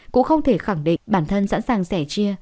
cũng không thể khẳng định bản thân sẵn sàng sẻ chia